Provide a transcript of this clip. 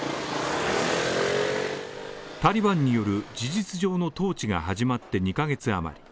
タリバンによる事実上の統治が始まって２ヶ月余り。